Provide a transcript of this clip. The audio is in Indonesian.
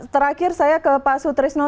terakhir saya ke pak sutrisno